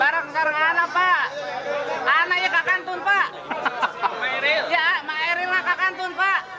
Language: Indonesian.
ridwan kamil uu rizalul ulum